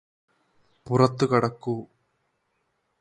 പുറത്തുകടക്കൂ